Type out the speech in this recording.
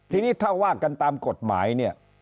ทีนี้ถ้าว่ากันตามกฎหมายเนี่ย